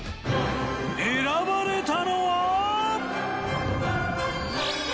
選ばれたのは。